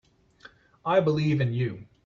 I believe in you.